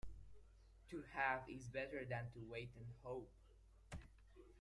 To have is better than to wait and hope.